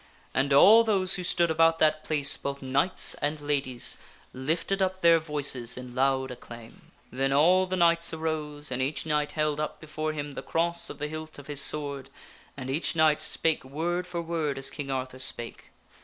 And all those who stood about that place, both knights and ladies, lifted up their voices in loud acclaim. Then all the knights arose, and each knight held up before him the cross of the hilt of his sword, and each knight spake word of the ceremony for word as King Arthur spake.